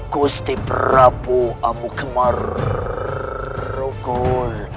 kusti berapu amukmerukul